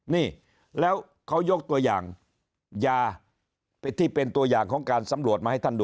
นี่แล้วเขายกตัวอย่างยาที่เป็นตัวอย่างของการสำรวจมาให้ท่านดู